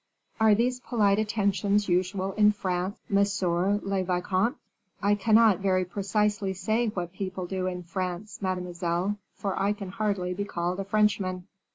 Are these polite attentions usual in France, monsieur le vicomte?" "I cannot very precisely say what people do in France, mademoiselle, for I can hardly be called a Frenchman.